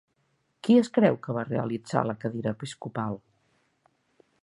Qui es creu que va realitzar la cadira episcopal?